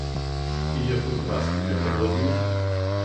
Я хоть раз тебя подводил?